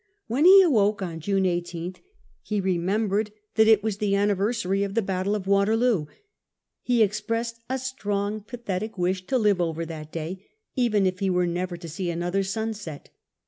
When he awoke on June 18 he remembered that it was the anniversary of the battle of Waterloo. He expressed a strong, pathetic wish to live over that day, even if he were never to see another sunset.